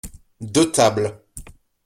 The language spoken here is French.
Deux tables.